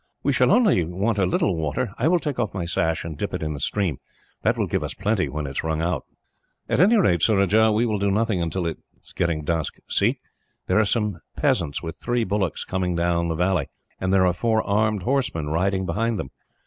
"We shall only want a little water. I will take off my sash, and dip it in the stream; that will give us plenty, when it is wrung out." "At any rate, Surajah, we will do nothing until it is getting dusk. See! There are some peasants, with three bullocks, coming down the valley, and there are four armed horsemen riding behind them.